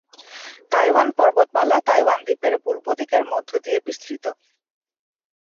Taiwan পর্বতমালা Taiwan দ্বীপের পূর্ব দিকের মধ্য দিয়ে বিস্তৃত।